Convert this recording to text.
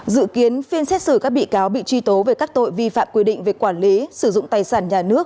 dự kiến phiên xét xử các bị cáo bị truy tố về các tội vi phạm quy định về quản lý sử dụng tài sản nhà nước